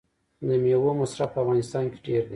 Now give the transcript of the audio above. د میوو مصرف په افغانستان کې ډیر دی.